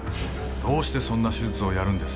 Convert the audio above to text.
どうしてそんな手術をやるんです？